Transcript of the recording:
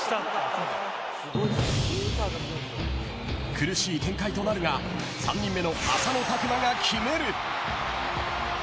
苦しい展開となるが３人目の浅野拓磨が決める。